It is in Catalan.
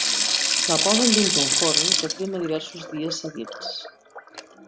La posen dins un forn, que crema diversos dies seguits.